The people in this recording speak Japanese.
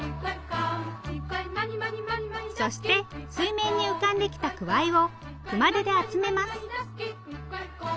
そして水面に浮かんできたくわいを熊手で集めます。